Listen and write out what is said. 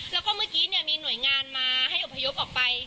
แล้วก็เมื่อกี้เนี่ยมีหน่วยงานมาให้อบพยุกร์ออกไป